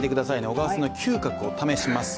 小川さんの嗅覚を試します。